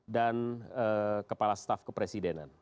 dan kepala staff kepresidenan